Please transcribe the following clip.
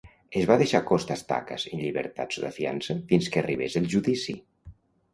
Es va deixar Costas Takkas en llibertat sota fiança fins que arribés el judici.